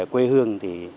quê hương thì